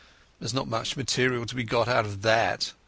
There is not much material to be got out of that.